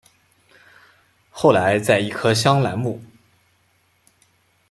后来在一棵香兰木。